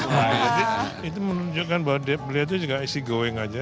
jadi itu menunjukkan bahwa beliau itu juga easy going aja